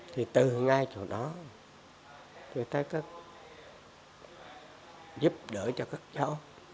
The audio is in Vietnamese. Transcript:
thì từ ngay chỗ đó tôi thấy giúp đỡ cho các cháu